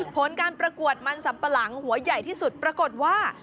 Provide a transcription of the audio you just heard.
ผลการประกวดมันสัมปะหลังหัวใหญ่ที่สุดปรากฏว่า